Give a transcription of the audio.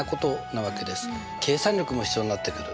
計算力も必要になってくる。